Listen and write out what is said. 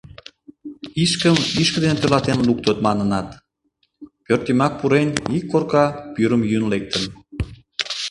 «Ишкым ишке дене торалтен луктыт» манынат, пӧртйымак пурен, ик корка пӱрым йӱын лектын.